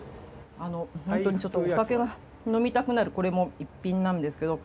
ホントにお酒が飲みたくなるこれも一品なんですけど。